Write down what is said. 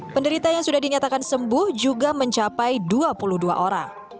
penderita yang sudah dinyatakan sembuh juga mencapai dua puluh dua orang